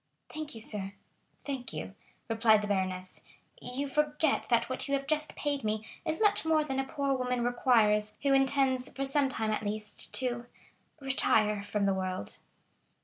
"Thank you, sir—thank you," replied the baroness; "you forget that what you have just paid me is much more than a poor woman requires, who intends for some time, at least, to retire from the world."